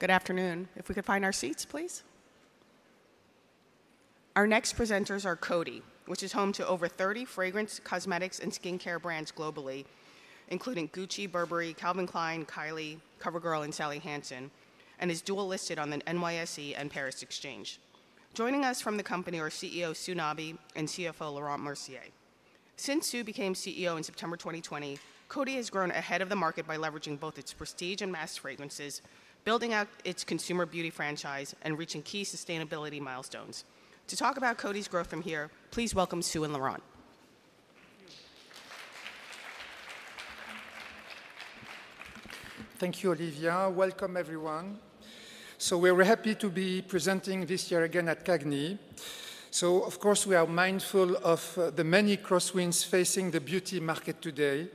Good afternoon. If we could find our seats, please. Our next presenters are Coty, which is home to over 30 fragrance, cosmetics, and skincare brands globally, including Gucci, Burberry, Calvin Klein, Kylie, CoverGirl, and Sally Hansen, and is dual-listed on the NYSE and Paris Exchange. Joining us from the company are CEO Sue Nabi and CFO Laurent Mercier. Since Sue became CEO in September 2020, Coty has grown ahead of the market by leveraging both its prestige and mass fragrances, building out its Consumer Beauty franchise, and reaching key sustainability milestones. To talk about Coty's growth from here, please welcome Sue and Laurent. Thank you, Olivia. Welcome, everyone. We're happy to be presenting this year again at CAGNY. Of course, we are mindful of the many crosswinds facing the beauty market today.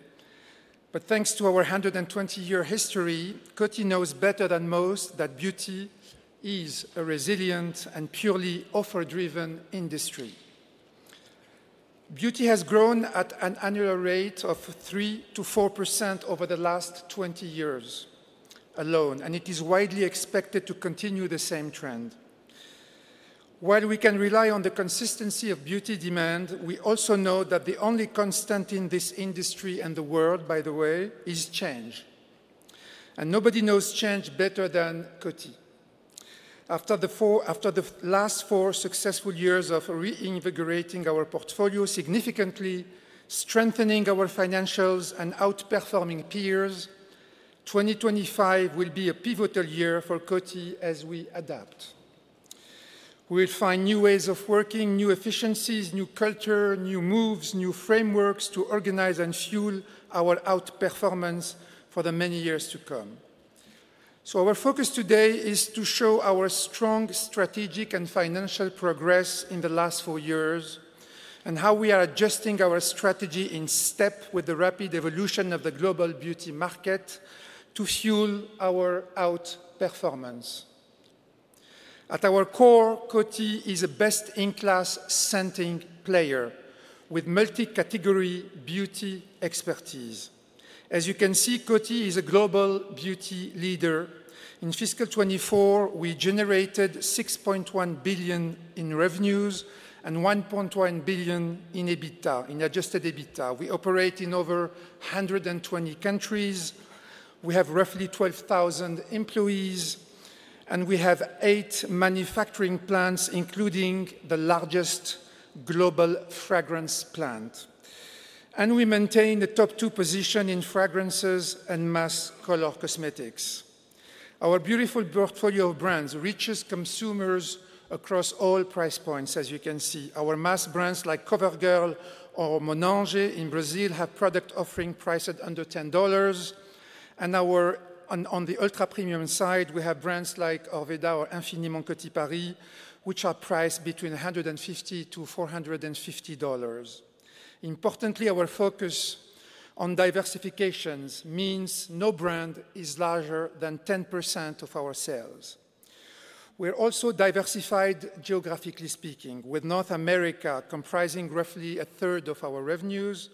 But thanks to our 120-year history, Coty knows better than most that beauty is a resilient and purely offer-driven industry. Beauty has grown at an annual rate of 3%-4% over the last 20 years alone, and it is widely expected to continue the same trend. While we can rely on the consistency of beauty demand, we also know that the only constant in this industry and the world, by the way, is change. Nobody knows change better than Coty. After the last four successful years of reinvigorating our portfolio, significantly strengthening our financials, and outperforming peers, 2025 will be a pivotal year for Coty as we adapt. We'll find new ways of working, new efficiencies, new culture, new moves, new frameworks to organize and fuel our outperformance for the many years to come. Our focus today is to show our strong strategic and financial progress in the last four years, and how we are adjusting our strategy in step with the rapid evolution of the global beauty market to fuel our outperformance. At our core, Coty is a best-in-class scenting player with multi-category beauty expertise. As you can see, Coty is a global beauty leader. In fiscal 2024, we generated $6.1 billion in revenues and $1.1 billion in adjusted EBITDA. We operate in over 120 countries. We have roughly 12,000 employees, and we have eight manufacturing plants, including the largest global fragrance plant, and we maintain the top two positions in fragrances and mass color cosmetics. Our beautiful portfolio of brands reaches consumers across all price points, as you can see. Our mass brands like CoverGirl or Monange in Brazil have product offerings priced under $10. On the ultra-premium side, we have brands like Orveda or Infiniment Coty Paris, which are priced between $150-$450. Importantly, our focus on diversification means no brand is larger than 10% of our sales. We're also diversified geographically speaking, with North America comprising roughly a third of our revenues,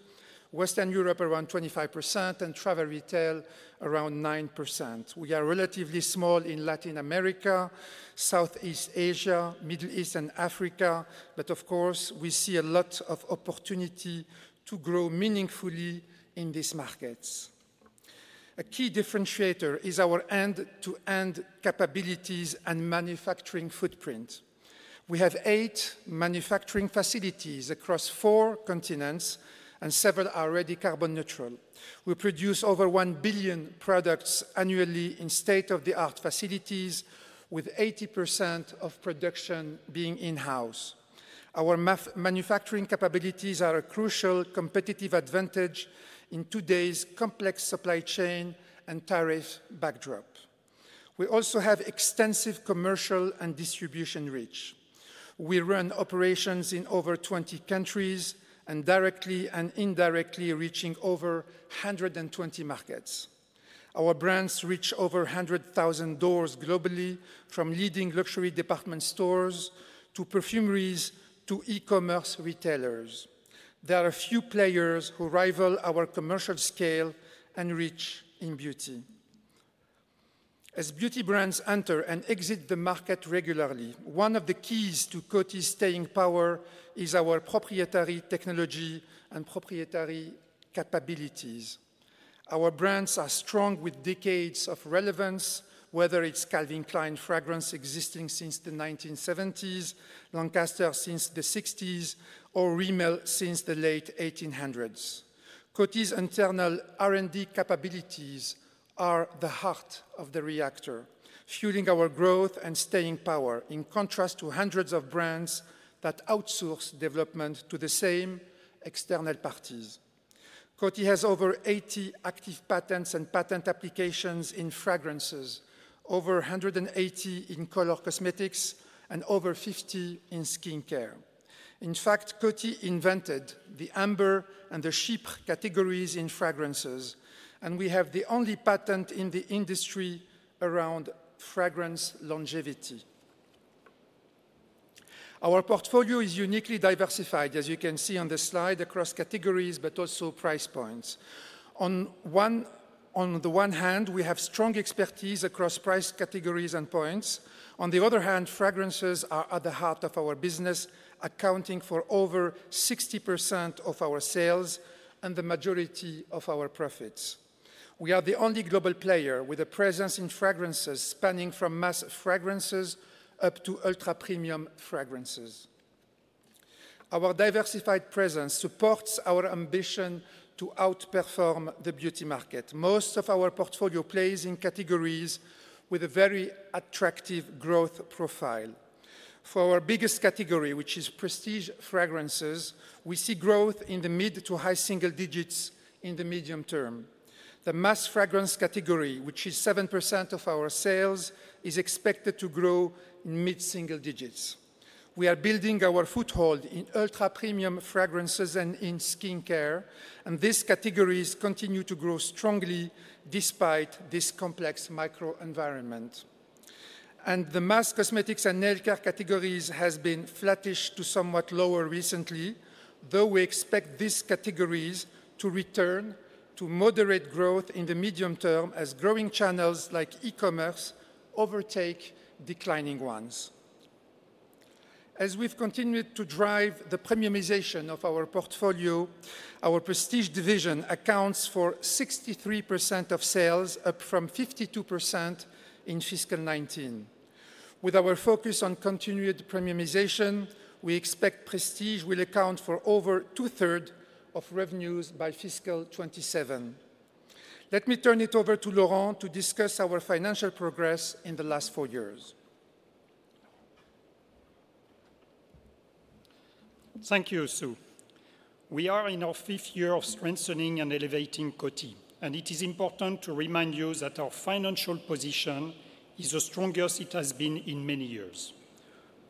Western Europe around 25%, and travel retail around 9%. We are relatively small in Latin America, Southeast Asia, Middle East, and Africa, but of course, we see a lot of opportunity to grow meaningfully in these markets. A key differentiator is our end-to-end capabilities and manufacturing footprint. We have eight manufacturing facilities across four continents, and several are already carbon neutral. We produce over 1 billion products annually in state-of-the-art facilities, with 80% of production being in-house. Our manufacturing capabilities are a crucial competitive advantage in today's complex supply chain and tariff backdrop. We also have extensive commercial and distribution reach. We run operations in over 20 countries and directly and indirectly reaching over 120 markets. Our brands reach over 100,000 doors globally, from leading luxury department stores to perfumeries to e-commerce retailers. There are few players who rival our commercial scale and reach in beauty. As beauty brands enter and exit the market regularly, one of the keys to Coty's staying power is our proprietary technology and proprietary capabilities. Our brands are strong with decades of relevance, whether it's Calvin Klein fragrance existing since the 1970s, Lancaster since the 1960s, or Rimmel since the late 1800s. Coty's internal R&D capabilities are the heart of the reactor, fueling our growth and staying power, in contrast to hundreds of brands that outsource development to the same external parties. Coty has over 80 active patents and patent applications in fragrances, over 180 in color cosmetics, and over 50 in skincare. In fact, Coty invented the amber and the chypre categories in fragrances, and we have the only patent in the industry around fragrance longevity. Our portfolio is uniquely diversified, as you can see on the slide, across categories, but also price points. On the one hand, we have strong expertise across price categories and points. On the other hand, fragrances are at the heart of our business, accounting for over 60% of our sales and the majority of our profits. We are the only global player with a presence in fragrances spanning from mass fragrances up to ultra-premium fragrances. Our diversified presence supports our ambition to outperform the beauty market. Most of our portfolio plays in categories with a very attractive growth profile. For our biggest category, which is prestige fragrances, we see growth in the mid to high single digits in the medium term. The mass fragrance category, which is 7% of our sales, is expected to grow in mid-single digits. We are building our foothold in ultra-premium fragrances and in skincare, and these categories continue to grow strongly despite this complex micro-environment. And the mass cosmetics and nail care categories have been flattish to somewhat lower recently, though we expect these categories to return to moderate growth in the medium term as growing channels like e-commerce overtake declining ones. As we've continued to drive the premiumization of our portfolio, our prestige division accounts for 63% of sales, up from 52% in fiscal 2019. With our focus on continued premiumization, we expect prestige will account for over two-thirds of revenues by fiscal 2027. Let me turn it over to Laurent to discuss our financial progress in the last four years. Thank you, Sue. We are in our fifth year of strengthening and elevating Coty, and it is important to remind you that our financial position is the strongest it has been in many years.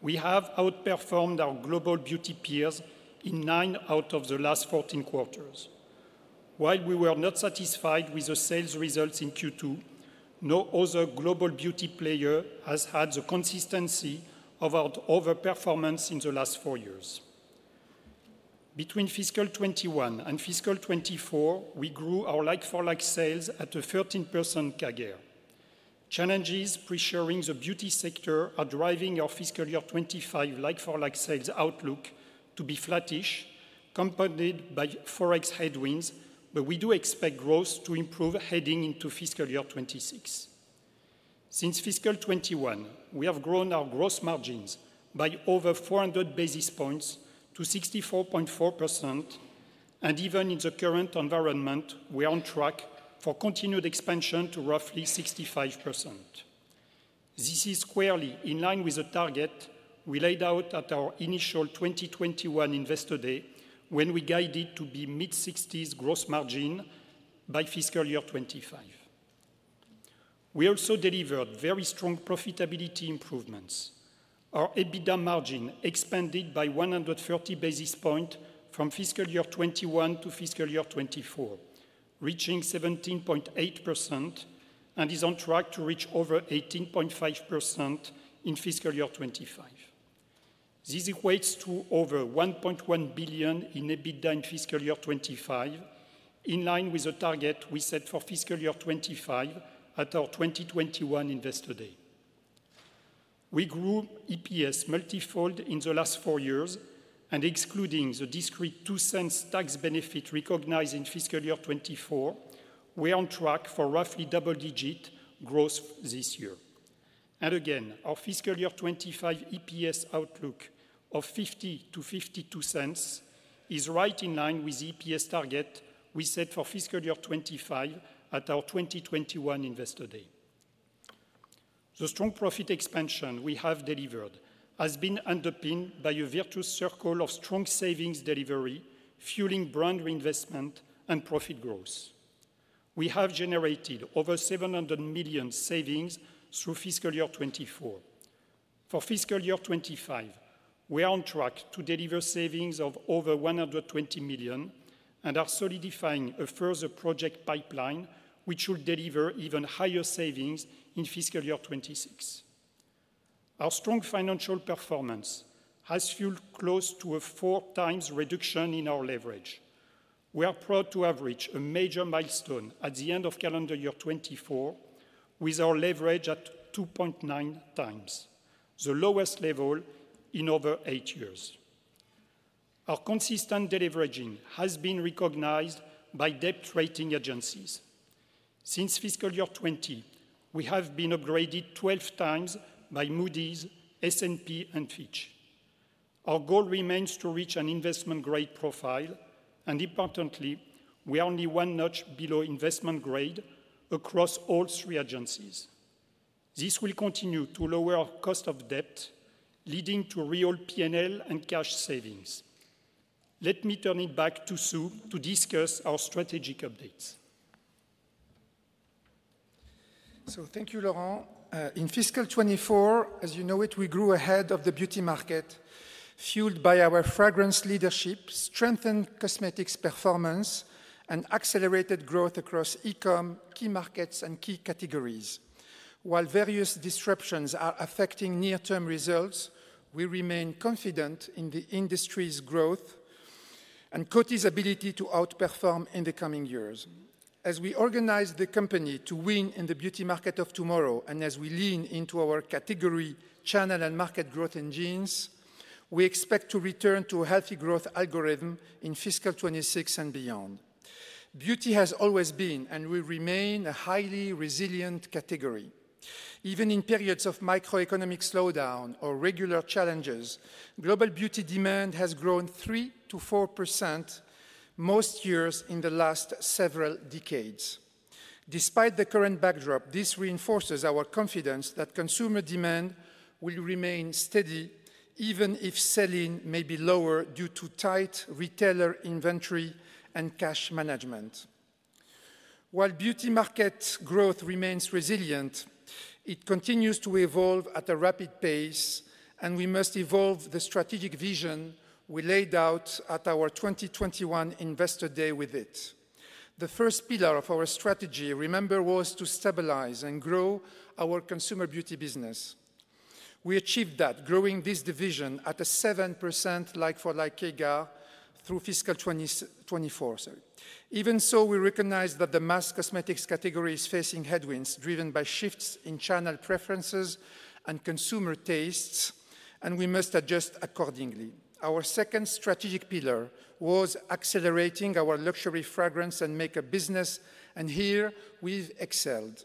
We have outperformed our global beauty peers in nine out of the last 14 quarters. While we were not satisfied with the sales results in Q2, no other global beauty player has had the consistency of our overperformance in the last four years. Between fiscal 2021 and fiscal 2024, we grew our like-for-like sales at a 13% CAGR. Challenges pressuring the beauty sector are driving our fiscal year 2025 like-for-like sales outlook to be flattish, accompanied by forex headwinds, but we do expect growth to improve heading into fiscal year 2026. Since fiscal 2021, we have grown our gross margins by over 400 basis points to 64.4%, and even in the current environment, we are on track for continued expansion to roughly 65%. This is squarely in line with the target we laid out at our initial 2021 Investor Day, when we guided to be mid-60s gross margin by fiscal year 2025. We also delivered very strong profitability improvements. Our EBITDA margin expanded by 130 basis points from fiscal year 2021 to fiscal year 2024, reaching 17.8%, and is on track to reach over 18.5% in fiscal year 2025. This equates to over $1.1 billion in EBITDA in fiscal year 2025, in line with the target we set for fiscal year 2025 at our 2021 Investor Day. We grew EPS multifold in the last four years, and excluding the discrete $0.02 tax benefit recognized in fiscal year 2024, we are on track for roughly double-digit growth this year. And again, our fiscal year 2025 EPS outlook of $0.50-$0.52 is right in line with the EPS target we set for fiscal year 2025 at our 2021 Investor Day. The strong profit expansion we have delivered has been underpinned by a virtuous circle of strong savings delivery, fueling brand reinvestment and profit growth. We have generated over $700 million savings through fiscal year 2024. For fiscal year 2025, we are on track to deliver savings of over $120 million and are solidifying a further project pipeline, which will deliver even higher savings in fiscal year 2026. Our strong financial performance has fueled close to a four-times reduction in our leverage. We are proud to have reached a major milestone at the end of calendar year 2024, with our leverage at 2.9 times, the lowest level in over eight years. Our consistent deleveraging has been recognized by debt rating agencies. Since fiscal year 2020, we have been upgraded 12 times by Moody's, S&P, and Fitch. Our goal remains to reach an investment-grade profile, and importantly, we are only one notch below investment-grade across all three agencies. This will continue to lower our cost of debt, leading to real P&L and cash savings. Let me turn it back to Sue to discuss our strategic updates. Thank you, Laurent. In fiscal 2024, as you know it, we grew ahead of the beauty market, fueled by our fragrance leadership, strengthened cosmetics performance, and accelerated growth across e-com, key markets, and key categories. While various disruptions are affecting near-term results, we remain confident in the industry's growth and Coty's ability to outperform in the coming years. As we organize the company to win in the beauty market of tomorrow, and as we lean into our category channel and market growth engines, we expect to return to a healthy growth algorithm in fiscal 2026 and beyond. Beauty has always been and will remain a highly resilient category. Even in periods of microeconomic slowdown or regular challenges, global beauty demand has grown 3%-4% most years in the last several decades. Despite the current backdrop, this reinforces our confidence that consumer demand will remain steady, even if selling may be lower due to tight retailer inventory and cash management. While beauty market growth remains resilient, it continues to evolve at a rapid pace, and we must evolve the strategic vision we laid out at our 2021 Investor Day with it. The first pillar of our strategy, remember, was to stabilize and grow our Consumer Beauty business. We achieved that, growing this division at a 7% like-for-like CAGR through fiscal 2024. Even so, we recognize that the mass cosmetics category is facing headwinds driven by shifts in channel preferences and consumer tastes, and we must adjust accordingly. Our second strategic pillar was accelerating our luxury fragrance and makeup business, and here we've excelled.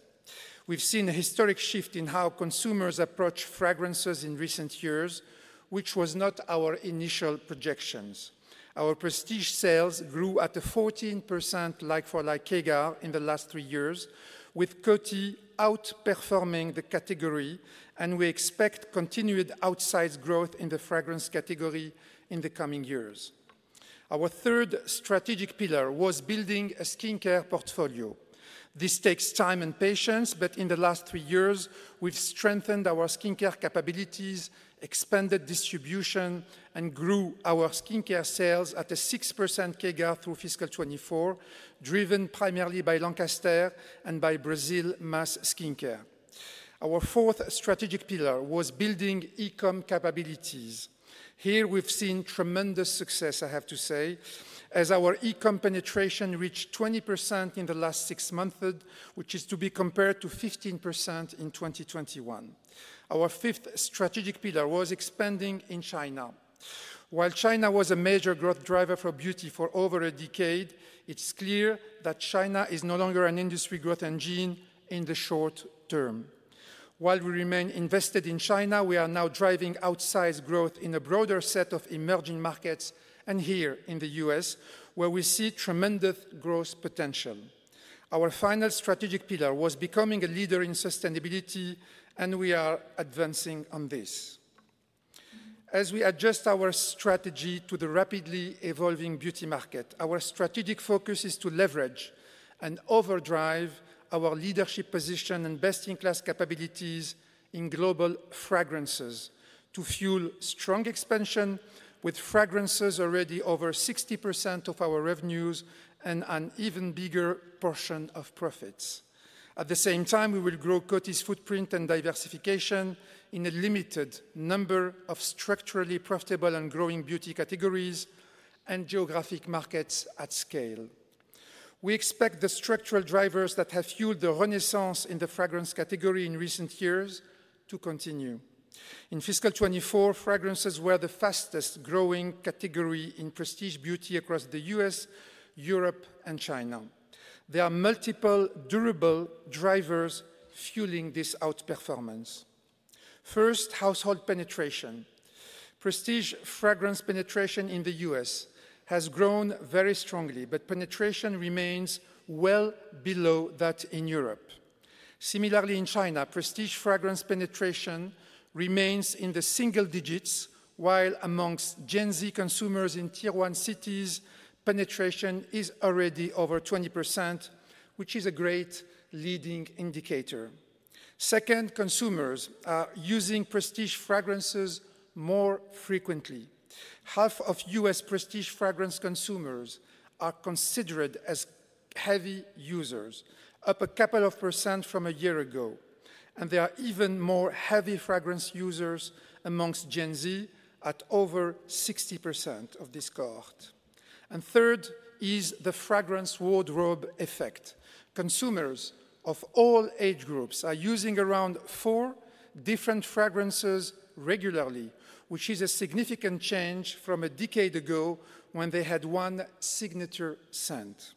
We've seen a historic shift in how consumers approach fragrances in recent years, which was not our initial projections. Our prestige sales grew at a 14% like-for-like CAGR in the last three years, with Coty outperforming the category, and we expect continued outsized growth in the fragrance category in the coming years. Our third strategic pillar was building a skincare portfolio. This takes time and patience, but in the last three years, we've strengthened our skincare capabilities, expanded distribution, and grew our skincare sales at a 6% CAGR through fiscal 2024, driven primarily by Lancaster and by Brazil mass skincare. Our fourth strategic pillar was building e-com capabilities. Here we've seen tremendous success, I have to say, as our e-com penetration reached 20% in the last six months, which is to be compared to 15% in 2021. Our fifth strategic pillar was expanding in China. While China was a major growth driver for beauty for over a decade, it's clear that China is no longer an industry growth engine in the short term. While we remain invested in China, we are now driving outsized growth in a broader set of emerging markets, and here in the U.S., where we see tremendous growth potential. Our final strategic pillar was becoming a leader in sustainability, and we are advancing on this. As we adjust our strategy to the rapidly evolving beauty market, our strategic focus is to leverage and overdrive our leadership position and best-in-class capabilities in global fragrances to fuel strong expansion with fragrances already over 60% of our revenues and an even bigger portion of profits. At the same time, we will grow Coty's footprint and diversification in a limited number of structurally profitable and growing beauty categories and geographic markets at scale. We expect the structural drivers that have fueled the renaissance in the fragrance category in recent years to continue. In fiscal 2024, fragrances were the fastest-growing category in prestige beauty across the U.S., Europe, and China. There are multiple durable drivers fueling this outperformance. First, household penetration. Prestige fragrance penetration in the U.S. has grown very strongly, but penetration remains well below that in Europe. Similarly, in China, prestige fragrance penetration remains in the single digits, while among Gen Z consumers in Tier 1 cities, penetration is already over 20%, which is a great leading indicator. Second, consumers are using prestige fragrances more frequently. Half of U.S. prestige fragrance consumers are considered as heavy users, up a couple of % from a year ago, and there are even more heavy fragrance users among Gen Z at over 60% of this cohort. And third is the fragrance wardrobe effect. Consumers of all age groups are using around four different fragrances regularly, which is a significant change from a decade ago when they had one signature scent.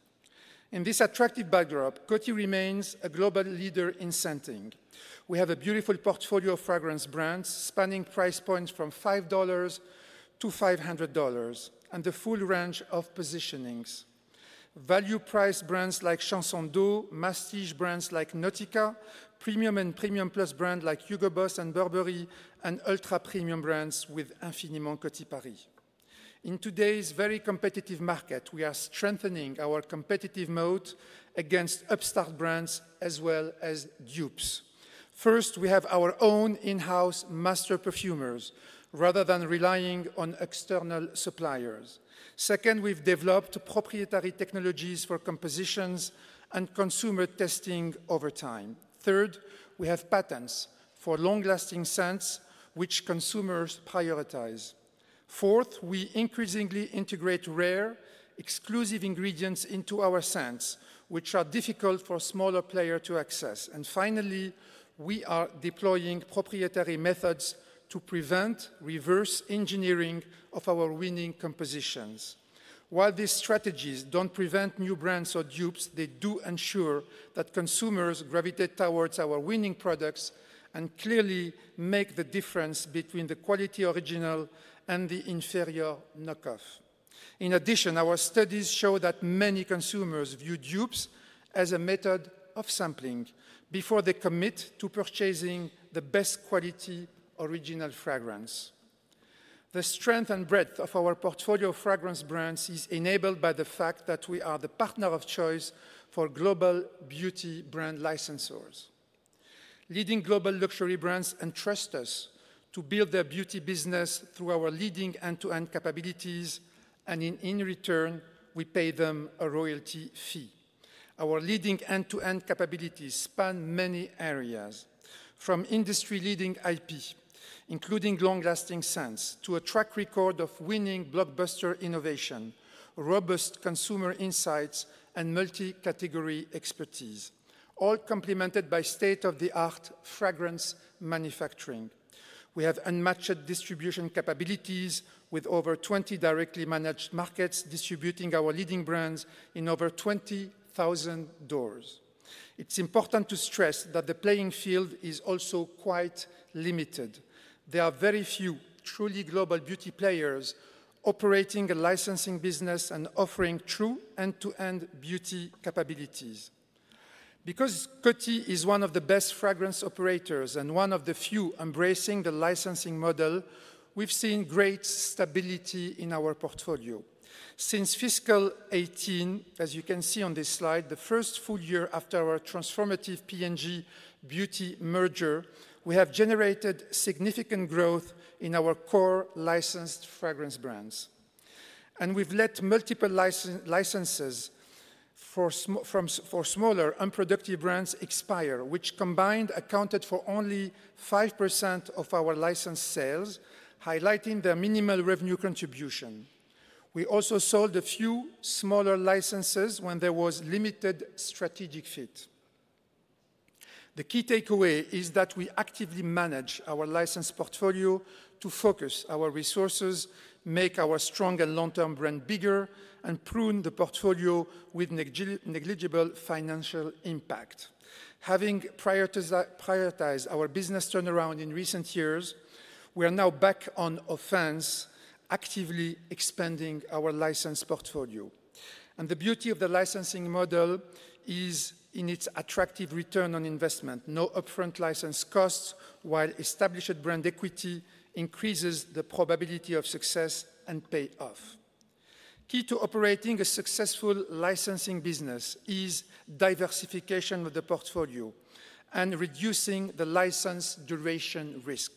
In this attractive backdrop, Coty remains a global leader in scenting. We have a beautiful portfolio of fragrance brands spanning price points from $5-$500 and the full range of positionings. Value-priced brands like Chanson d'Eau, prestige brands like Nautica, premium and premium plus brands like Hugo Boss and Burberry, and ultra-premium brands with Infiniment Coty Paris. In today's very competitive market, we are strengthening our competitive moat against upstart brands as well as dupes. First, we have our own in-house master perfumers rather than relying on external suppliers. Second, we've developed proprietary technologies for compositions and consumer testing over time. Third, we have patents for long-lasting scents, which consumers prioritize. Fourth, we increasingly integrate rare, exclusive ingredients into our scents, which are difficult for smaller players to access. And finally, we are deploying proprietary methods to prevent reverse engineering of our winning compositions. While these strategies don't prevent new brands or dupes, they do ensure that consumers gravitate towards our winning products and clearly make the difference between the quality original and the inferior knockoff. In addition, our studies show that many consumers view dupes as a method of sampling before they commit to purchasing the best quality original fragrance. The strength and breadth of our portfolio of fragrance brands is enabled by the fact that we are the partner of choice for global beauty brand licensors. Leading global luxury brands entrust us to build their beauty business through our leading end-to-end capabilities, and in return, we pay them a royalty fee. Our leading end-to-end capabilities span many areas, from industry-leading IP, including long-lasting scents, to a track record of winning blockbuster innovation, robust consumer insights, and multi-category expertise, all complemented by state-of-the-art fragrance manufacturing. We have unmatched distribution capabilities with over 20 directly managed markets distributing our leading brands in over 20,000 doors. It's important to stress that the playing field is also quite limited. There are very few truly global beauty players operating a licensing business and offering true end-to-end beauty capabilities. Because Coty is one of the best fragrance operators and one of the few embracing the licensing model, we've seen great stability in our portfolio. Since fiscal 2018, as you can see on this slide, the first full year after our transformative P&G beauty merger, we have generated significant growth in our core licensed fragrance brands. We've let multiple licenses for smaller unproductive brands expire, which combined accounted for only 5% of our licensed sales, highlighting their minimal revenue contribution. We also sold a few smaller licenses when there was limited strategic fit. The key takeaway is that we actively manage our license portfolio to focus our resources, make our strong and long-term brand bigger, and prune the portfolio with negligible financial impact. Having prioritized our business turnaround in recent years, we are now back on offense, actively expanding our license portfolio. The beauty of the licensing model is in its attractive return on investment. No upfront license costs, while established brand equity increases the probability of success and payoff. Key to operating a successful licensing business is diversification of the portfolio and reducing the license duration risk.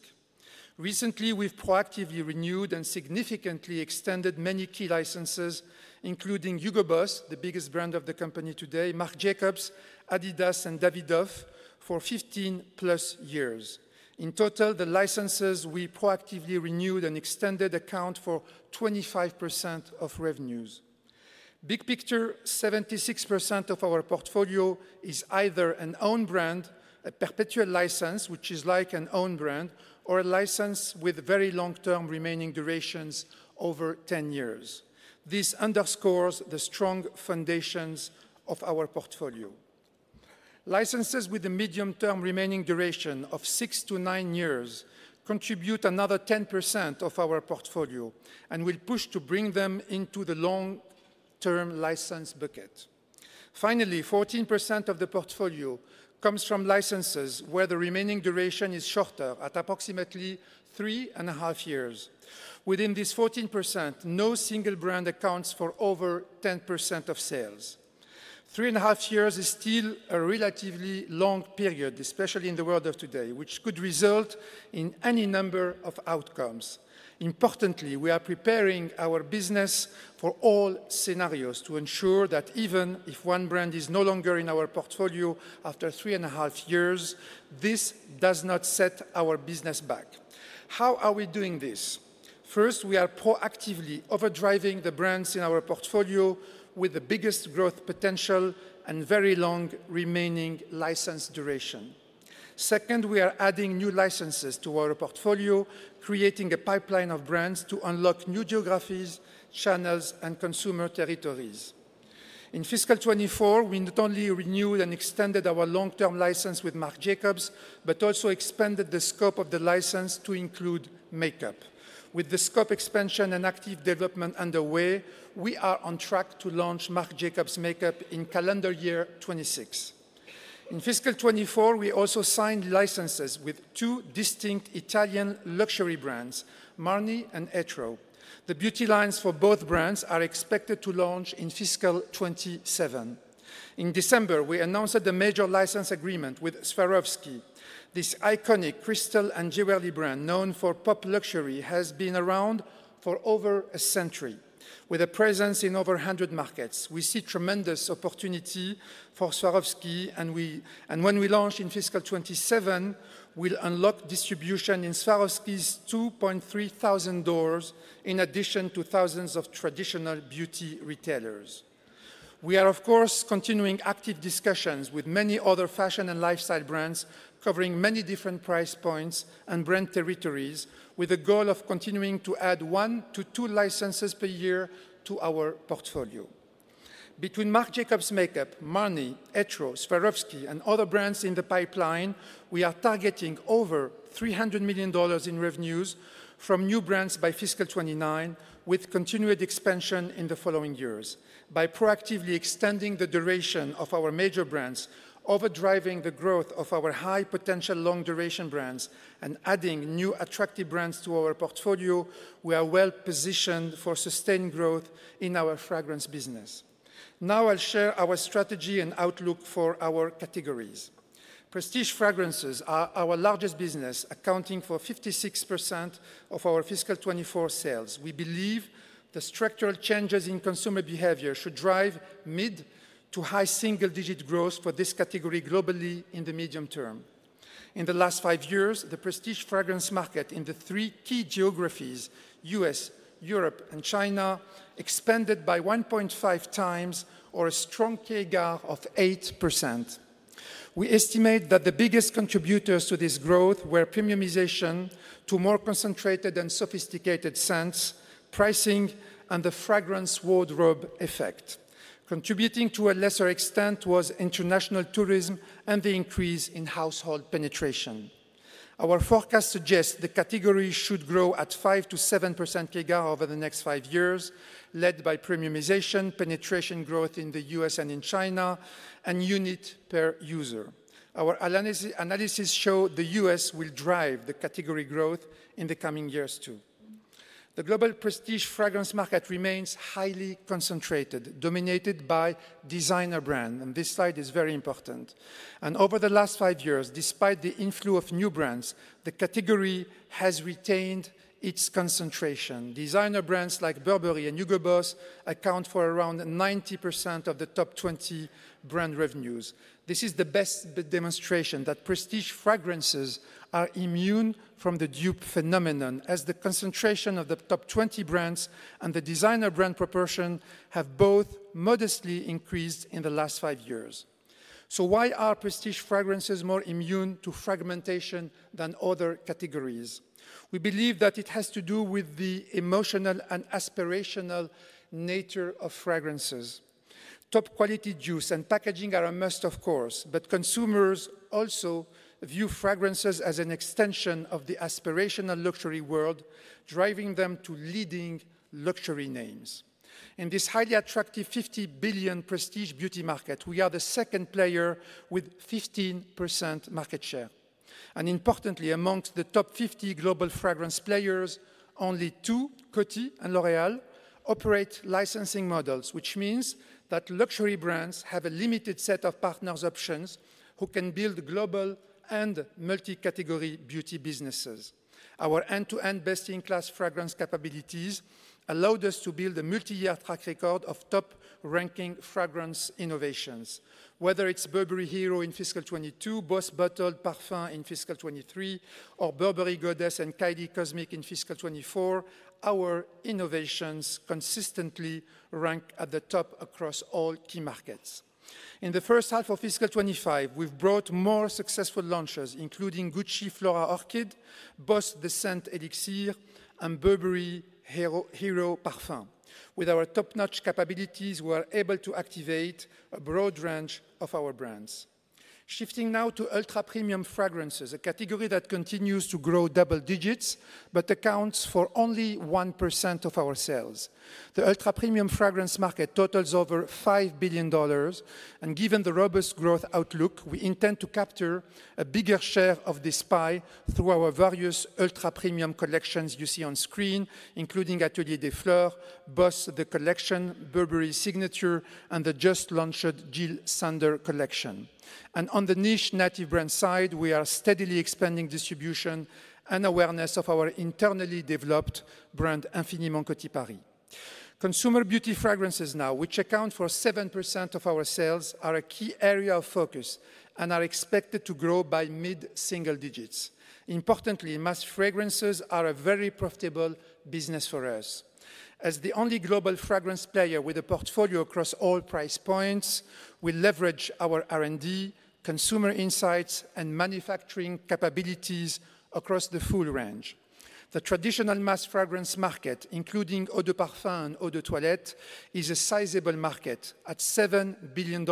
Recently, we've proactively renewed and significantly extended many key licenses, including Hugo Boss, the biggest brand of the company today, Marc Jacobs, Adidas, and Davidoff for 15 plus years. In total, the licenses we proactively renewed and extended account for 25% of revenues. Big picture, 76% of our portfolio is either an own brand, a perpetual license, which is like an own brand, or a license with very long-term remaining durations over 10 years. This underscores the strong foundations of our portfolio. Licenses with a medium-term remaining duration of 6-9 years contribute another 10% of our portfolio and will push to bring them into the long-term license bucket. Finally, 14% of the portfolio comes from licenses where the remaining duration is shorter, at approximately three and a half years. Within this 14%, no single brand accounts for over 10% of sales. Three and a half years is still a relatively long period, especially in the world of today, which could result in any number of outcomes. Importantly, we are preparing our business for all scenarios to ensure that even if one brand is no longer in our portfolio after three and a half years, this does not set our business back. How are we doing this? First, we are proactively overdriving the brands in our portfolio with the biggest growth potential and very long remaining license duration. Second, we are adding new licenses to our portfolio, creating a pipeline of brands to unlock new geographies, channels, and consumer territories. In fiscal 2024, we not only renewed and extended our long-term license with Marc Jacobs, but also expanded the scope of the license to include makeup. With the scope expansion and active development underway, we are on track to launch Marc Jacobs makeup in calendar year 2026. In fiscal 2024, we also signed licenses with two distinct Italian luxury brands, Marni and Etro. The beauty lines for both brands are expected to launch in fiscal 2027. In December, we announced the major license agreement with Swarovski. This iconic crystal and jewelry brand known for pop luxury has been around for over a century, with a presence in over 100 markets. We see tremendous opportunity for Swarovski, and when we launch in fiscal 2027, we'll unlock distribution in Swarovski's 2,300 doors in addition to thousands of traditional beauty retailers. We are, of course, continuing active discussions with many other fashion and lifestyle brands covering many different price points and brand territories with the goal of continuing to add one to two licenses per year to our portfolio. Between Marc Jacobs makeup, Marni, Etro, Swarovski, and other brands in the pipeline, we are targeting over $300 million in revenues from new brands by fiscal 2029, with continued expansion in the following years by proactively extending the duration of our major brands, overdriving the growth of our high-potential long-duration brands, and adding new attractive brands to our portfolio. We are well positioned for sustained growth in our fragrance business. Now I'll share our strategy and outlook for our categories. Prestige fragrances are our largest business, accounting for 56% of our fiscal 2024 sales. We believe the structural changes in consumer behavior should drive mid to high single-digit growth for this category globally in the medium term. In the last five years, the prestige fragrance market in the three key geographies, U.S., Europe, and China, expanded by 1.5 times or a strong CAGR of 8%. We estimate that the biggest contributors to this growth were premiumization to more concentrated and sophisticated scents, pricing, and the fragrance wardrobe effect. Contributing to a lesser extent was international tourism and the increase in household penetration. Our forecast suggests the category should grow at 5%-7% CAGR over the next five years, led by premiumization, penetration growth in the U.S. and in China, and unit per user. Our analysis shows the U.S. will drive the category growth in the coming years too. The global prestige fragrance market remains highly concentrated, dominated by designer brands, and this slide is very important, and over the last five years, despite the influx of new brands, the category has retained its concentration. Designer brands like Burberry and Hugo Boss account for around 90% of the top 20 brand revenues. This is the best demonstration that prestige fragrances are immune from the dupe phenomenon, as the concentration of the top 20 brands and the designer brand proportion have both modestly increased in the last five years. So why are prestige fragrances more immune to fragmentation than other categories? We believe that it has to do with the emotional and aspirational nature of fragrances. Top-quality juice and packaging are a must, of course, but consumers also view fragrances as an extension of the aspirational luxury world, driving them to leading luxury names. In this highly attractive $50 billion prestige beauty market, we are the second player with 15% market share. And importantly, amongst the top 50 global fragrance players, only two, Coty and L'Oréal, operate licensing models, which means that luxury brands have a limited set of partners' options who can build global and multi-category beauty businesses. Our end-to-end best-in-class fragrance capabilities allowed us to build a multi-year track record of top-ranking fragrance innovations. Whether it's Burberry Hero in fiscal 2022, Boss Bottled Parfum in fiscal 2023, or Burberry Goddess and Kylie Cosmic in fiscal 2024, our innovations consistently rank at the top across all key markets. In the first half of fiscal 2025, we've brought more successful launches, including Gucci Flora Orchid, Boss The Scent Elixir, and Burberry Hero Parfum. With our top-notch capabilities, we're able to activate a broad range of our brands. Shifting now to ultra-premium fragrances, a category that continues to grow double digits but accounts for only 1% of our sales. The ultra-premium fragrance market totals over $5 billion, and given the robust growth outlook, we intend to capture a bigger share of this pie through our various ultra-premium collections you see on screen, including Atelier des Fleurs, Boss The Collection, Burberry Signatures, and the just-launched Jil Sander Collection. And on the niche native brand side, we are steadily expanding distribution and awareness of our internally developed brand, Infiniment Coty Paris. Consumer Beauty fragrances now, which account for 7% of our sales, are a key area of focus and are expected to grow by mid-single digits. Importantly, mass fragrances are a very profitable business for us. As the only global fragrance player with a portfolio across all price points, we leverage our R&D, consumer insights, and manufacturing capabilities across the full range. The traditional mass fragrance market, including eau de parfum and eau de toilette, is a sizable market at $7 billion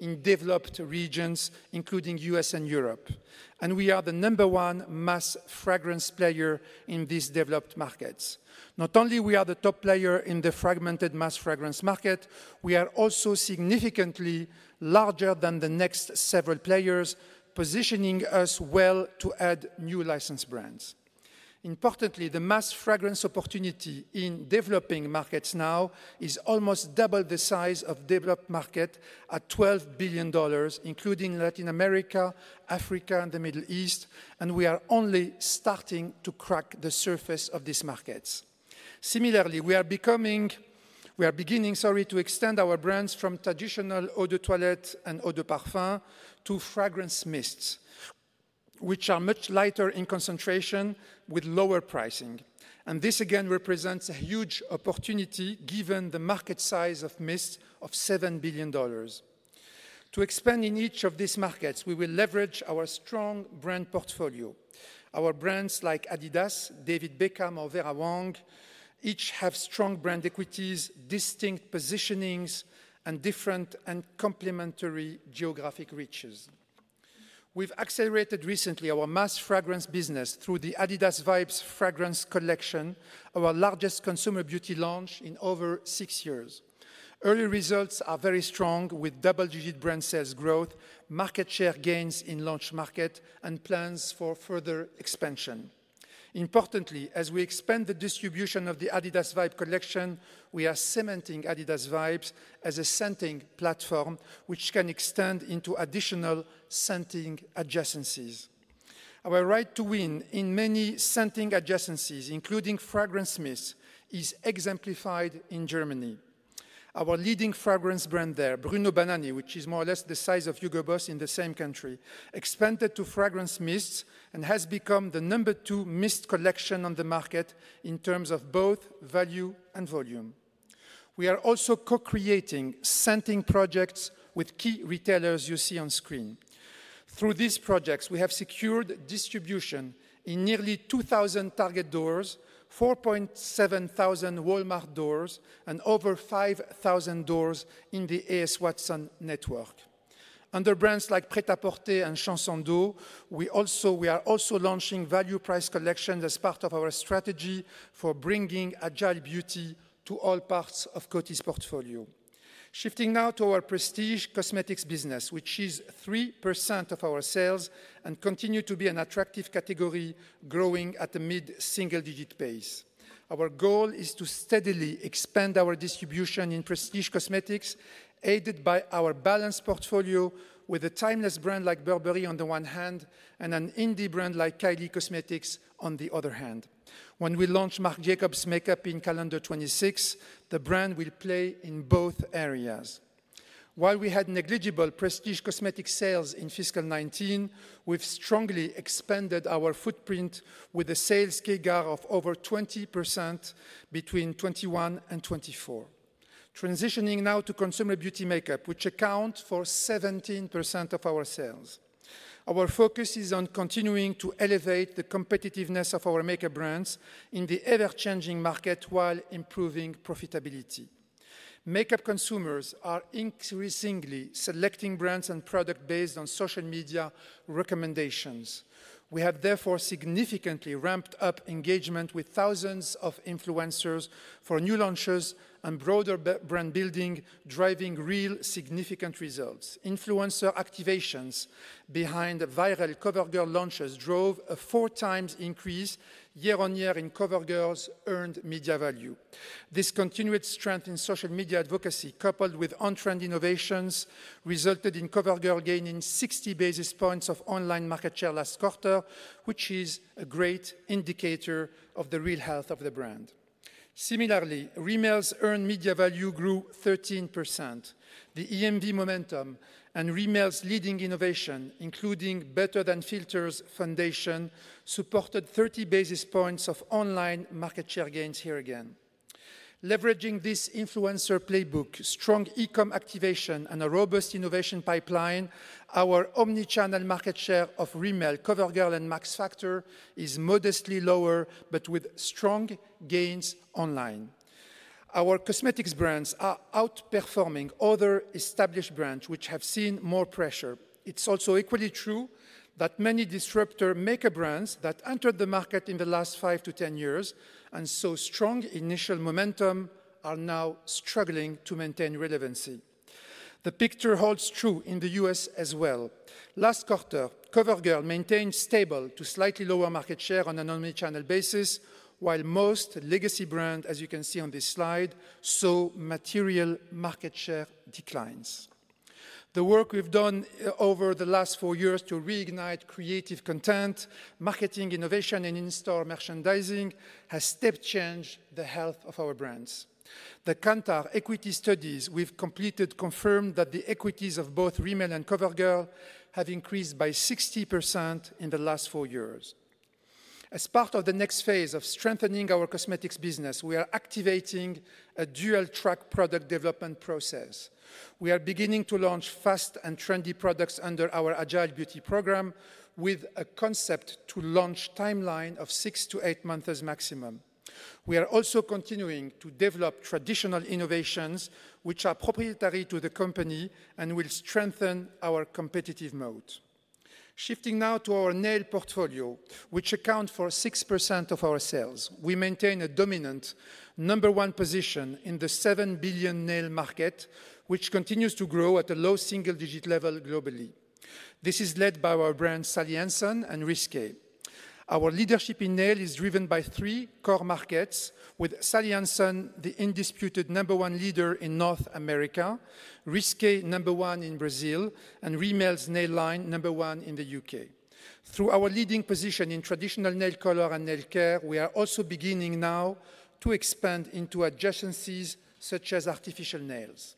in developed regions, including US and Europe, and we are the number one mass fragrance player in these developed markets. Not only are we the top player in the fragmented mass fragrance market, we are also significantly larger than the next several players, positioning us well to add new license brands. Importantly, the mass fragrance opportunity in developing markets now is almost double the size of developed markets at $12 billion, including Latin America, Africa, and the Middle East, and we are only starting to crack the surface of these markets. Similarly, we are beginning, sorry, to extend our brands from traditional eau de toilette and eau de parfum to fragrance mists, which are much lighter in concentration with lower pricing. This, again, represents a huge opportunity given the market size of mists of $7 billion. To expand in each of these markets, we will leverage our strong brand portfolio. Our brands like Adidas, David Beckham, or Vera Wang each have strong brand equities, distinct positionings, and different and complementary geographic reaches. We've accelerated recently our mass fragrance business through the Adidas Vibes fragrance collection, our largest Consumer Beauty launch in over six years. Early results are very strong with double-digit brand sales growth, market share gains in launch market, and plans for further expansion. Importantly, as we expand the distribution of the Adidas Vibes collection, we are cementing Adidas Vibes as a scenting platform, which can extend into additional scenting adjacencies. Our right to win in many scenting adjacencies, including fragrance mists, is exemplified in Germany. Our leading fragrance brand there, Bruno Banani, which is more or less the size of Hugo Boss in the same country, expanded to fragrance mists and has become the number two mist collection on the market in terms of both value and volume. We are also co-creating scenting projects with key retailers you see on screen. Through these projects, we have secured distribution in nearly 2,000 target doors, 4,700 Walmart doors, and over 5,000 doors in the A.S. Watson network. Under brands like Prêt-à-Porter and Chanson d'Eau, we are also launching value price collections as part of our strategy for bringing Agile Beauty to all parts of Coty's portfolio. Shifting now to our prestige cosmetics business, which is 3% of our sales and continues to be an attractive category growing at a mid-single-digit pace. Our goal is to steadily expand our distribution in prestige cosmetics, aided by our balanced portfolio with a timeless brand like Burberry on the one hand and an indie brand like Kylie Cosmetics on the other hand. When we launch Marc Jacobs makeup in calendar 2026, the brand will play in both areas. While we had negligible prestige cosmetic sales in fiscal 2019, we've strongly expanded our footprint with a sales CAGR of over 20% between 2021 and 2024. Transitioning now to Consumer Beauty makeup, which accounts for 17% of our sales. Our focus is on continuing to elevate the competitiveness of our makeup brands in the ever-changing market while improving profitability. Makeup consumers are increasingly selecting brands and products based on social media recommendations. We have therefore significantly ramped up engagement with thousands of influencers for new launches and broader brand building, driving real significant results. Influencer activations behind viral CoverGirl launches drove a four-times increase year-on-year in CoverGirl's earned media value. This continued strength in social media advocacy, coupled with on-trend innovations, resulted in CoverGirl gaining 60 basis points of online market share last quarter, which is a great indicator of the real health of the brand. Similarly, Rimmel's earned media value grew 13%. The EMV momentum and Rimmel's leading innovation, including Better Than Filters Foundation, supported 30 basis points of online market share gains here again. Leveraging this influencer playbook, strong e-comm activation, and a robust innovation pipeline, our omnichannel market share of Rimmel, CoverGirl, and Max Factor is modestly lower but with strong gains online. Our cosmetics brands are outperforming other established brands, which have seen more pressure. It's also equally true that many disruptor makeup brands that entered the market in the last 5 to 10 years and saw strong initial momentum are now struggling to maintain relevancy. The picture holds true in the U.S. as well. Last quarter, CoverGirl maintained stable to slightly lower market share on an omnichannel basis, while most legacy brands, as you can see on this slide, saw material market share declines. The work we've done over the last four years to reignite creative content, marketing innovation, and in-store merchandising has step-changed the health of our brands. The Kantar equity studies we've completed confirmed that the equities of both Rimmel and CoverGirl have increased by 60% in the last four years. As part of the next phase of strengthening our cosmetics business, we are activating a dual-track product development process. We are beginning to launch fast and trendy products under our Agile Beauty program with a concept to launch timeline of six to eight months as maximum. We are also continuing to develop traditional innovations, which are proprietary to the company and will strengthen our competitive moat. Shifting now to our nail portfolio, which accounts for 6% of our sales, we maintain a dominant number one position in the $7 billion nail market, which continues to grow at a low single-digit level globally. This is led by our brands Sally Hansen and Risqué. Our leadership in nail is driven by three core markets, with Sally Hansen the indisputable number one leader in North America, Risqué number one in Brazil, and Rimmel's nail line number one in the UK. Through our leading position in traditional nail color and nail care, we are also beginning now to expand into adjacencies such as artificial nails.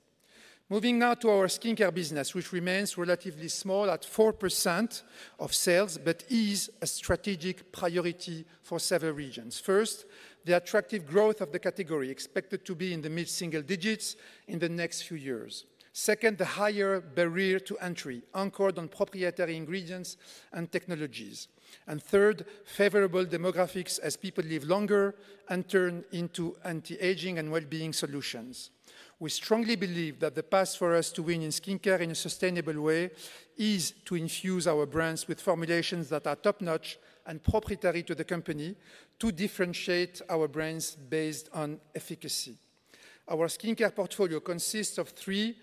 Moving now to our skincare business, which remains relatively small at 4% of sales but is a strategic priority for several regions. First, the attractive growth of the category expected to be in the mid-single digits in the next few years. Second, the higher barrier to entry anchored on proprietary ingredients and technologies. And third, favorable demographics as people live longer and turn into anti-aging and well-being solutions. We strongly believe that the path for us to win in skincare in a sustainable way is to infuse our brands with formulations that are top-notch and proprietary to the company to differentiate our brands based on efficacy. Our skincare portfolio consists of three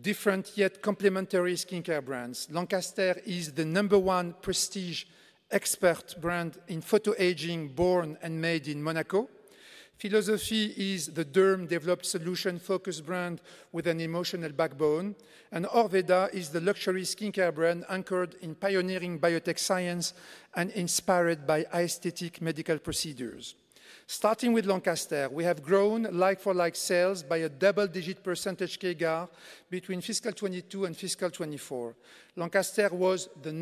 different yet complementary skincare brands. Lancaster is the number one prestige expert brand in photoaging born and made in Monaco. Philosophy is the derm-developed solution-focused brand with an emotional backbone. Orveda is the luxury skincare brand anchored in pioneering biotech science and inspired by aesthetic medical procedures. Starting with Lancaster, we have grown like-for-like sales by a double-digit percentage CAGR between fiscal 2022 and fiscal 2024. Lancaster was the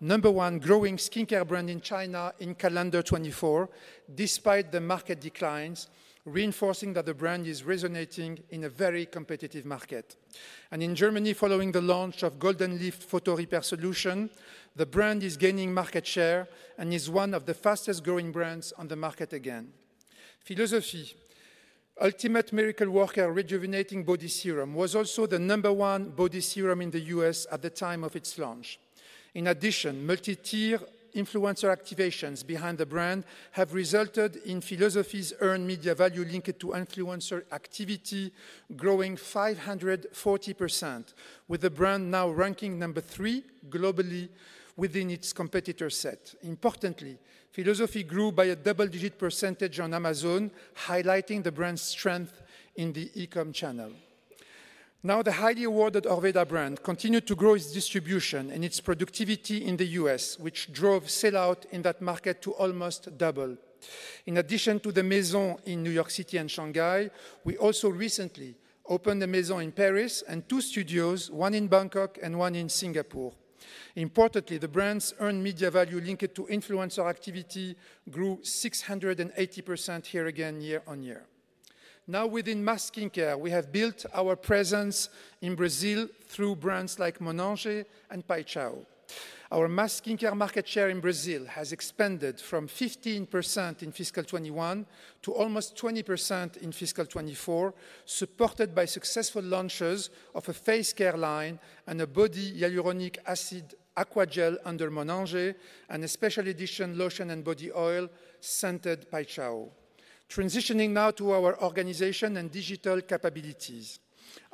number one growing skincare brand in China in calendar 2024, despite the market declines, reinforcing that the brand is resonating in a very competitive market. In Germany, following the launch of Golden Lift Photo Repair Solution, the brand is gaining market share and is one of the fastest-growing brands on the market again. Philosophy Ultimate Miracle Worker Rejuvenating Body Serum was also the number one body serum in the U.S. at the time of its launch. In addition, multi-tier influencer activations behind the brand have resulted in Philosophy's earned media value linked to influencer activity growing 540%, with the brand now ranking number three globally within its competitor set. Importantly, Philosophy grew by a double-digit percentage on Amazon, highlighting the brand's strength in the e-comm channel. Now, the highly awarded Orveda brand continued to grow its distribution and its productivity in the U.S., which drove sellout in that market to almost double. In addition to the Maison in New York City and Shanghai, we also recently opened a Maison in Paris and two studios, one in Bangkok and one in Singapore. Importantly, the brand's earned media value linked to influencer activity grew 680% here again year on year. Now, within mass skincare, we have built our presence in Brazil through brands like Monange and Paixão. Our mass skincare market share in Brazil has expanded from 15% in fiscal 2021 to almost 20% in fiscal 2024, supported by successful launches of a face care line and a body hyaluronic acid aqua gel under Monange and a special edition lotion and body oil scented Paixão. Transitioning now to our organization and digital capabilities.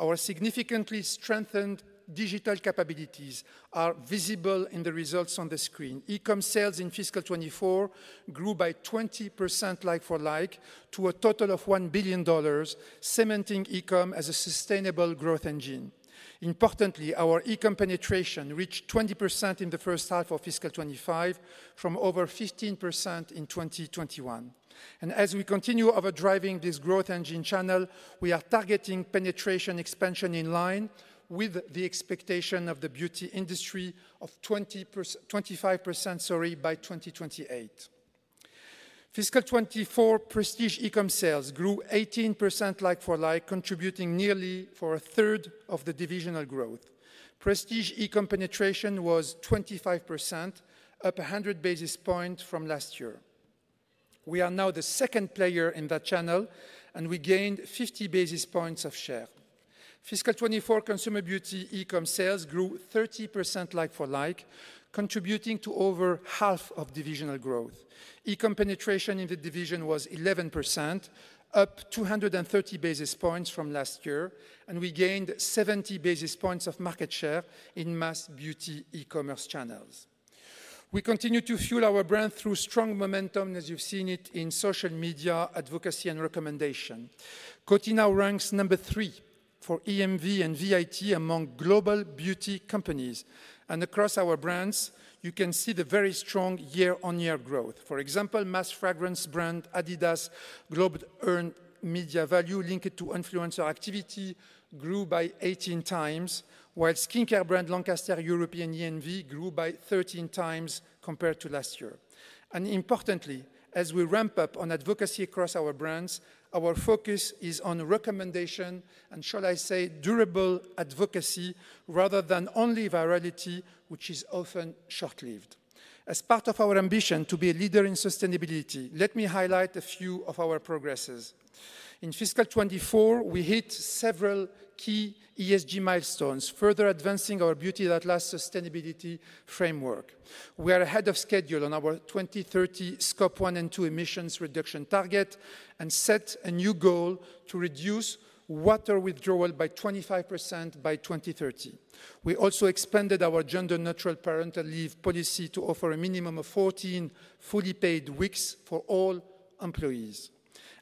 Our significantly strengthened digital capabilities are visible in the results on the screen. E-comm sales in fiscal 2024 grew by 20% like-for-like to a total of $1 billion, cementing e-comm as a sustainable growth engine. Importantly, our e-comm penetration reached 20% in the first half of fiscal 2025 from over 15% in 2021, and as we continue overdriving this growth engine channel, we are targeting penetration expansion in line with the expectation of the beauty industry of 25%, sorry, by 2028. Fiscal 24, prestige e-comm sales grew 18% like-for-like, contributing nearly a third of the divisional growth. Prestige e-comm penetration was 25%, up 100 basis points from last year. We are now the second player in that channel, and we gained 50 basis points of share. Fiscal 24, Consumer Beauty e-comm sales grew 30% like-for-like, contributing to over half of divisional growth. E-comm penetration in the division was 11%, up 230 basis points from last year, and we gained 70 basis points of market share in mass beauty e-commerce channels. We continue to fuel our brand through strong momentum, as you've seen it in social media advocacy and recommendation. Coty now ranks number three for EMV and VIT among global beauty companies. Across our brands, you can see the very strong year-on-year growth. For example, mass fragrance brand Adidas global earned media value linked to influencer activity grew by 18 times, while skincare brand Lancaster European EMV grew by 13 times compared to last year, and importantly, as we ramp up on advocacy across our brands, our focus is on recommendation and, shall I say, durable advocacy rather than only virality, which is often short-lived. As part of our ambition to be a leader in sustainability, let me highlight a few of our progress. In fiscal 2024, we hit several key ESG milestones, further advancing our Beauty That Lasts sustainability framework. We are ahead of schedule on our 2030 Scope 1 and 2 emissions reduction target and set a new goal to reduce water withdrawal by 25% by 2030. We also expanded our gender-neutral parental leave policy to offer a minimum of 14 fully paid weeks for all employees.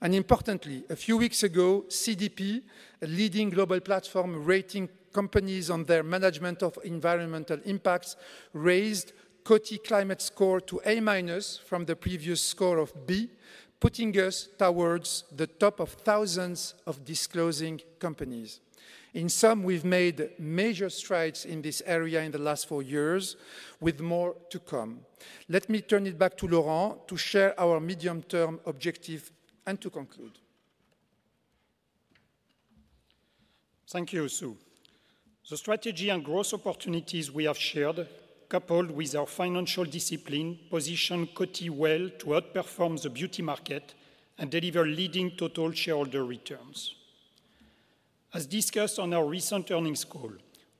Importantly, a few weeks ago, CDP, a leading global platform rating companies on their management of environmental impacts, raised Coty Climate Score to A minus from the previous score of B, putting us towards the top of thousands of disclosing companies. In sum, we've made major strides in this area in the last four years, with more to come. Let me turn it back to Laurent to share our medium-term objective and to conclude. Thank you, Sue. The strategy and growth opportunities we have shared, coupled with our financial discipline, position Coty well to outperform the beauty market and deliver leading total shareholder returns. As discussed on our recent earnings call,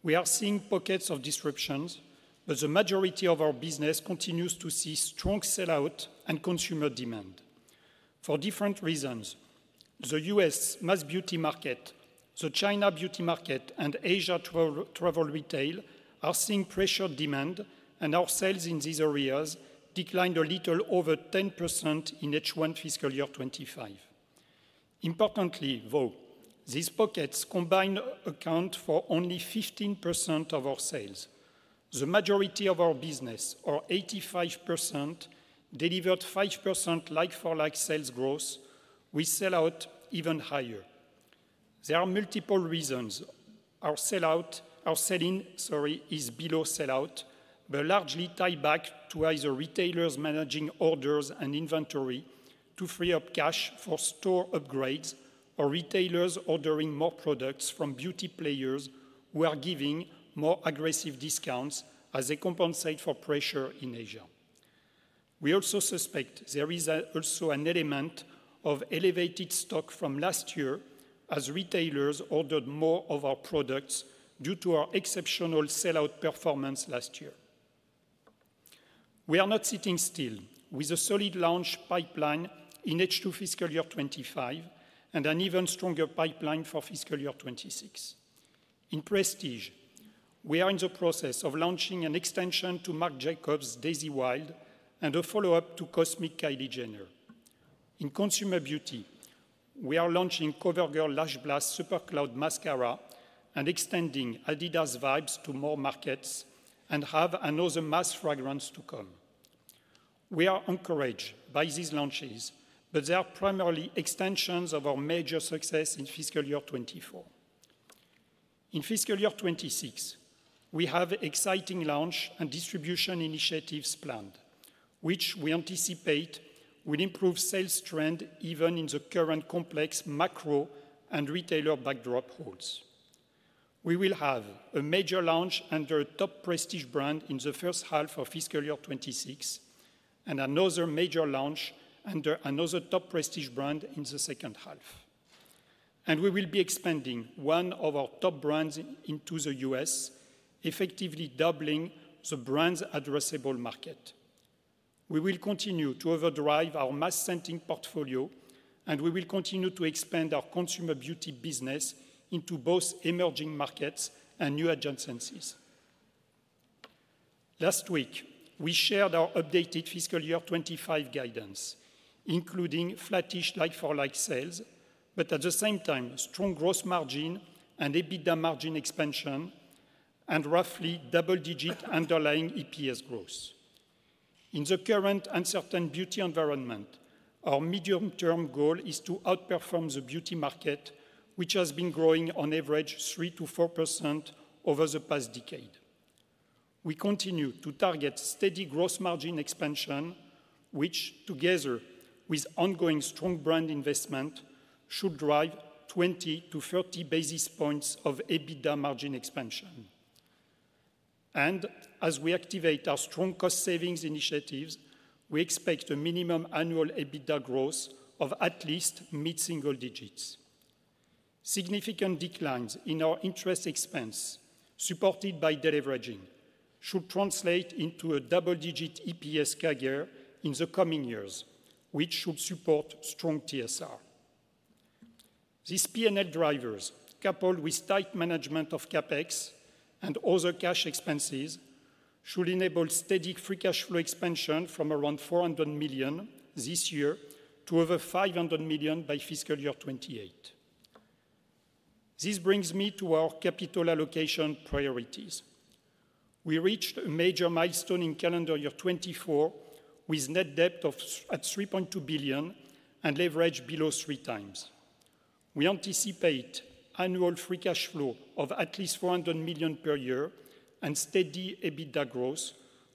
we are seeing pockets of disruptions, but the majority of our business continues to see strong sellout and consumer demand. For different reasons, the U.S. mass beauty market, the China beauty market, and Asia travel retail are seeing pressured demand, and our sales in these areas declined a little over 10% in H1 fiscal year 2025. Importantly, though, these pockets combined account for only 15% of our sales. The majority of our business, or 85%, delivered 5% like-for-like sales growth. We sell out even higher. There are multiple reasons. Our sell out, our selling, sorry, is below sellout, but largely tied back to either retailers managing orders and inventory to free up cash for store upgrades or retailers ordering more products from beauty players who are giving more aggressive discounts as they compensate for pressure in Asia. We also suspect there is also an element of elevated stock from last year as retailers ordered more of our products due to our exceptional sellout performance last year. We are not sitting still with a solid launch pipeline in H2 fiscal year 2025 and an even stronger pipeline for fiscal year 2026. In Prestige, we are in the process of launching an extension to Marc Jacobs' Daisy Wild and a follow-up to Cosmic Kylie Jenner. In Consumer Beauty, we are launching CoverGirl Lash Blast Super Cloud Mascara and extending Adidas Vibes to more markets and have another mass fragrance to come. We are encouraged by these launches, but they are primarily extensions of our major success in fiscal year 2024. In fiscal year 2026, we have exciting launch and distribution initiatives planned, which we anticipate will improve sales trend even in the current complex macro and retailer backdrop holds. We will have a major launch under a top prestige brand in the first half of fiscal year 2026 and another major launch under another top prestige brand in the second half. We will be expanding one of our top brands into the U.S., effectively doubling the brand's addressable market. We will continue to overdrive our mass segment portfolio, and we will continue to expand our Consumer Beauty business into both emerging markets and new adjacencies. Last week, we shared our updated fiscal year 2025 guidance, including flattish like-for-like sales, but at the same time, strong gross margin and EBITDA margin expansion and roughly double-digit underlying EPS growth. In the current uncertain beauty environment, our medium-term goal is to outperform the beauty market, which has been growing on average 3%-4% over the past decade. We continue to target steady gross margin expansion, which, together with ongoing strong brand investment, should drive 20 to 30 basis points of EBITDA margin expansion. And as we activate our strong cost savings initiatives, we expect a minimum annual EBITDA growth of at least mid-single digits. Significant declines in our interest expense, supported by deleveraging, should translate into a double-digit EPS CAGR in the coming years, which should support strong TSR. These P&L drivers, coupled with tight management of CapEx and other cash expenses, should enable steady free cash flow expansion from around $400 million this year to over $500 million by fiscal year 2028. This brings me to our capital allocation priorities. We reached a major milestone in calendar year 2024 with net debt of $3.2 billion and leverage below three times. We anticipate annual free cash flow of at least $400 million per year and steady EBITDA growth,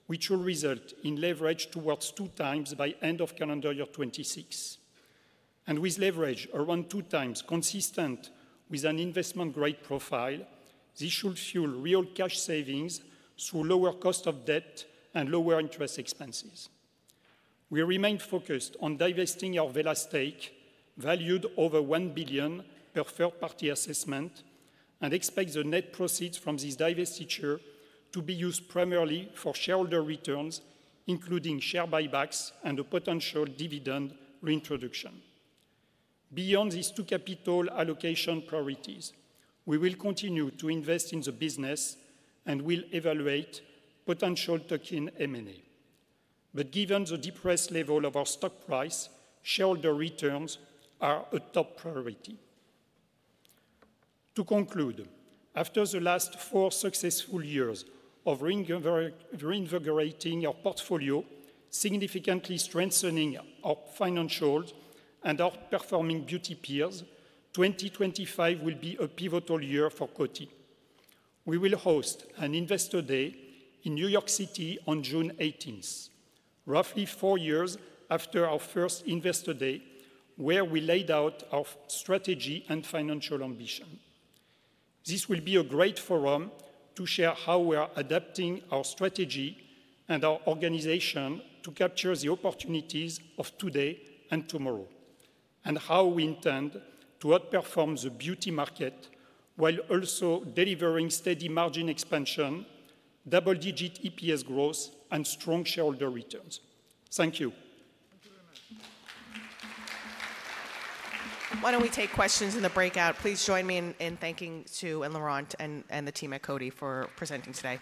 which will result in leverage towards two times by end of calendar year 2026, and with leverage around two times, consistent with an investment-grade profile, this should fuel real cash savings through lower cost of debt and lower interest expenses. We remain focused on divesting our Wella stake, valued over $1 billion per third-party assessment, and expect the net profits from this divestiture to be used primarily for shareholder returns, including share buybacks and a potential dividend reintroduction. Beyond these two capital allocation priorities, we will continue to invest in the business and will evaluate potential tuck-in M&A, but given the depressed level of our stock price, shareholder returns are a top priority. To conclude, after the last four successful years of reinvigorating our portfolio, significantly strengthening our financials, and outperforming beauty peers, 2025 will be a pivotal year for Coty. We will host an Investor Day in New York City on June 18, roughly four years after our first Investor Day, where we laid out our strategy and financial ambition. This will be a great forum to share how we are adapting our strategy and our organization to capture the opportunities of today and tomorrow, and how we intend to outperform the beauty market while also delivering steady margin expansion, double-digit EPS growth, and strong shareholder returns. Thank you. Thank you very much. Why don't we take questions in the breakout? Please join me in thanking Sue, and Laurent, and the team at Coty for presenting today.